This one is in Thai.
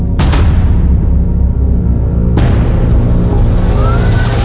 ข้อตอบ